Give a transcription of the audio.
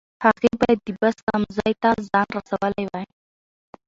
هغې باید د بس تمځای ته ځان رسولی وای.